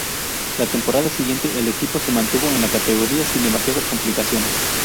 La temporada siguiente el equipo se mantuvo en la categoría sin demasiadas complicaciones.